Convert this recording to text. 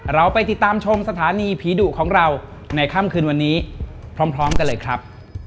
เราไปติดตามชมสถานีผีดุของเราในค่ำคืนวันนี้พร้อมกันเลยครับ